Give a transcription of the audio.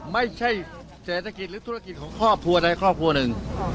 ไม่ใช่เศรษฐกิจหรือธุรกิจของครอบครัวใดครอบครัวหนึ่ง